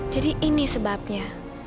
jadi ini sebabnya